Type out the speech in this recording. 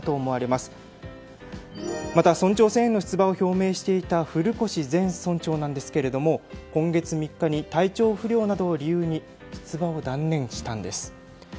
また、村長選への出馬を表明していた古越前村長ですが今月３日に体調不良などを理由に出馬を断念したんです。